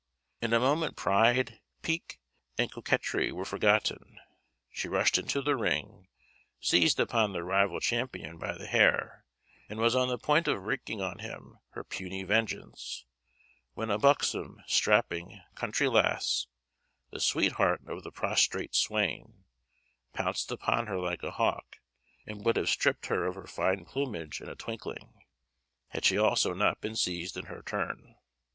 In a moment pride, pique, and coquetry were forgotten; she rushed into the ring, seized upon the rival champion by the hair, and was on the point of wreaking on him her puny vengeance, when a buxom, strapping, country lass, the sweetheart of the prostrate swain, pounced upon her like a hawk, and would have stripped her of her fine plumage in a twinkling, had she also not been seized in her turn.